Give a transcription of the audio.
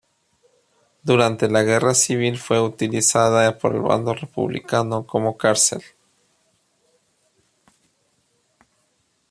Durante la Guerra Civil fue utilizada por el bando republicano como cárcel.